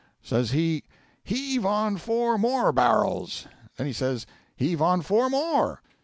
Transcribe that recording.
Says he, "Heave on four more barrels." Then he says, "Heave on four more."